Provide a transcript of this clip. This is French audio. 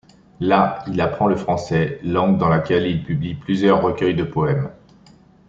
Là, il apprend le français, langue dans laquelle il publie plusieurs recueils de poèmes.